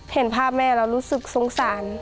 เห็นภาพแม่แล้วรู้สึกสงสาร